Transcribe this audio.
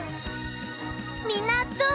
みんなどう？